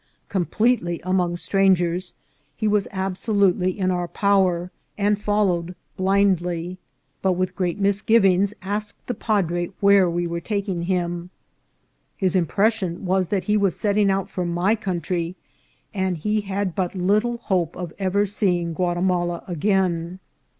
Completely among strangers, he was absolutely in our power, and follow ed blindly, but with great misgivings asked the padre where 'we were taking him. His impression was that he was setting out for my country, and he had but little hope of ever seeing Guatimala again.